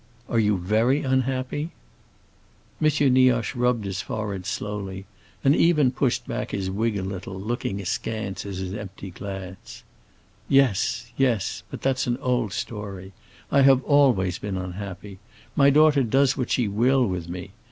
"Are you very unhappy?" M. Nioche rubbed his forehead slowly, and even pushed back his wig a little, looking askance at his empty glass. "Yes—yes. But that's an old story. I have always been unhappy. My daughter does what she will with me.